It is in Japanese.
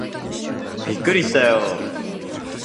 びっくりしたよー